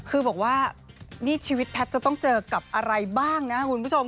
คือบอกว่านี่ชีวิตแพทย์จะต้องเจอกับอะไรบ้างนะคุณผู้ชม